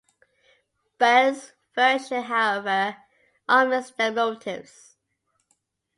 Burns' version, however, omits their motives.